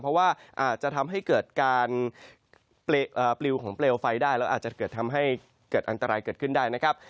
เพราะว่าอาจจะทำให้เกิดการปลิวของเปลวไฟได้แล้วอาจจะเกิดทำให้เกิดอันตรายเกิดขึ้นได้นะครับ